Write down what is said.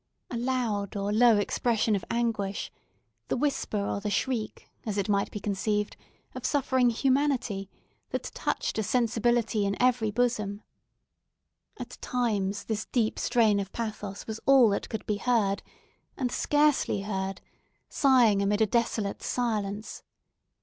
A loud or low expression of anguish—the whisper, or the shriek, as it might be conceived, of suffering humanity, that touched a sensibility in every bosom! At times this deep strain of pathos was all that could be heard, and scarcely heard sighing amid a desolate silence.